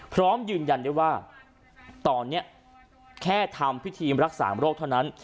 พร้อมยืนยันได้ว่าตอนนี้แค่ทำพิธีรักษาโรคเท่านั้น